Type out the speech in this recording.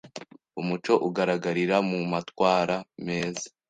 umuco ugaragarira mu matwara meza,